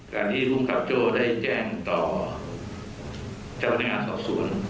การนี้ภูมิกับโจ้ได้แจ้งต่อพนักงานสอบสวน